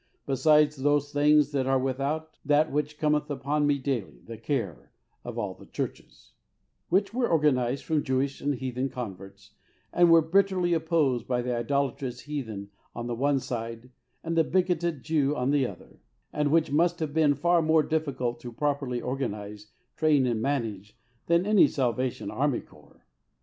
Besides those things that are without, that which cometh upon me daily, the care of all the churches" — which were organised from Jewish and heathen converts, and were bitterly opposed by the idolatrous heathen on the one side, and the bigoted Jews on the other, and which must have been far more difficult to properly organise, train and manage, than any Salvation Army corps.